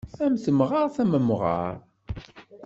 Am temɣart am umɣar.